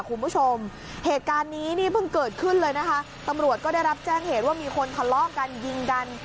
คุณผู้ชมเหตุการณ์นี้นี่เพิ่งเกิดขึ้นเลยนะคะตำรวจก็ได้รับแจ้งเหตุว่ามีคนทะเลาะกันยิงกัน